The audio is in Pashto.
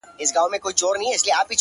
څوک ده چي راګوري دا و چاته مخامخ يمه،